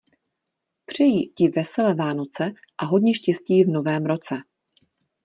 Přeji ti veselé vánoce a hodně štěstí v novém roce.